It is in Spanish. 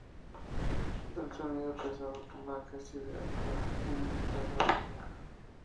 El sonido pesado que marca es ideal para una guitarra rítmica.